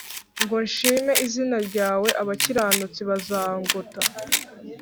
ngo nshime izina ryawe Abakiranutsi bazangota